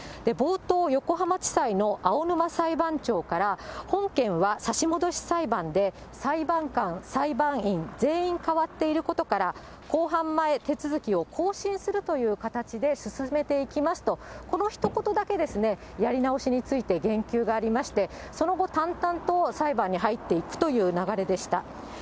冒頭、横浜地裁のあおぬま裁判長から、本件は差し戻し裁判で、裁判官、裁判員全員変わっていることから、公判前手続きを更新するという形で進めていきますと、このひと言だけ、やり直しについて言及がありまして、その後、淡々と裁判に入っていくという流れでした。